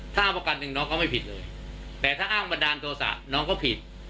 ถ้าเอาประกันหนึ่งน้องก็ไม่ผิดเลยแต่ถ้าอ้างบันดาลโทษะน้องก็ผิด